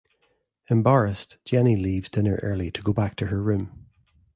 Embarrassed, Jenny leaves dinner early to go back to her room.